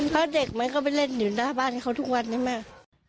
เพราะเด็กมันก็ไปเล่นอยู่หน้าบ้านเขาทุกวันนะแม่